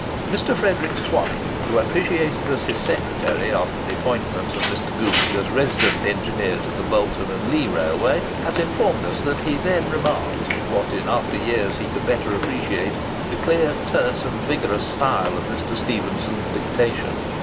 Mr. Frederick Swanwick, who officiated as his secretary, after the appointment of Mr. Gooch as Resident Engineer to the Bolton and Leigh Railway, has informed us that he then remarked—what in after years he could better appreciate—the clear, terse, and vigorous style of Mr. Stephenson's dictation.